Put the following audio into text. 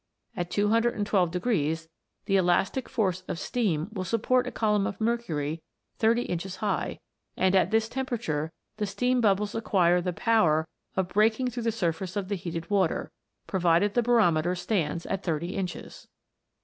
At 212 the elastic force of steam will support a column of mercury thirty inches high, and at this temperature the steam bubbles acquire the power of breaking through the surface of the heated water, provided the barometer stands at thirty inches.